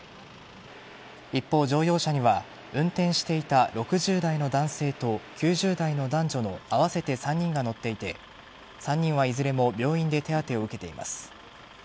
一方、乗用車には運転していた６０代の男性と９０代の男女の合わせて３人が乗っていて３人はいずれも病院で手当てを受けています。